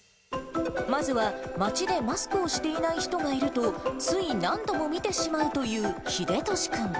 まずは街でマスクをしていない人がいると、つい何度も見てしまうというひでとし君。